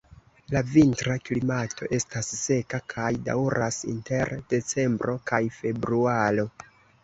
La vintra klimato estas seka kaj daŭras inter decembro kaj februaro.